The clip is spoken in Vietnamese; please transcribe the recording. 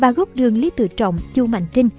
và góc đường lý tự trọng chu mạnh trinh